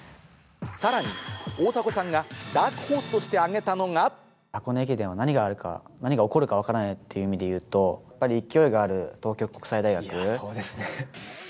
さらに大迫さんがダークホー箱根駅伝は何があるか、何が起こるは分からないっていう意味でいうと、やっぱり勢いがあそうですね。